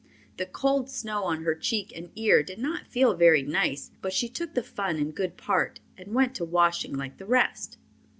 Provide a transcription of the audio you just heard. The cold snow on her cheek and ear did not feel very nice, but she took the fun in good part and went to washing like the rest.